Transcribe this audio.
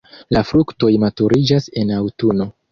La fruktoj maturiĝas en aŭtuno.